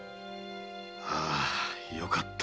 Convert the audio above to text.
ああよかった